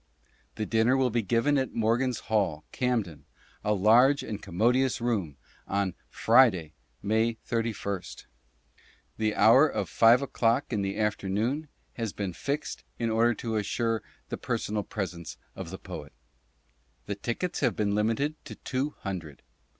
The Dinner will be given at Morgan's Hall, Camden (a large and com modious room), on FRIDAY, MAY 31st. The hour of 5 O'CLOCK in the Afternoon has been fixed in order to assure the personal presence of the Poet. The Tickets have been limited to Two Hundred.